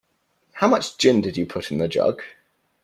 How much gin did you put in the jug?